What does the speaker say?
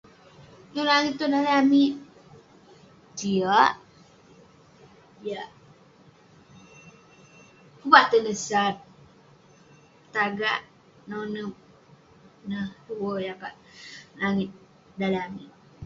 Langit tong daleh amik, jiak. Jiak. Pun peh ater neh sat, pun tagak, nonep. Ineh tue jakak langit daleh amik.